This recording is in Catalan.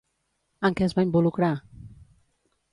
En què es va involucrar?